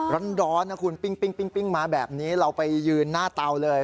ร้อนนะคุณปิ้งมาแบบนี้เราไปยืนหน้าเตาเลย